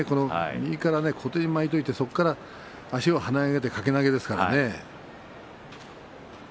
右から小手に巻いておいてそこから足を跳ね上げて掛け投げですからね。